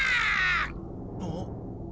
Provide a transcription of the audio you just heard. あっ。